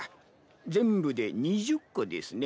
全部で２０個ですね。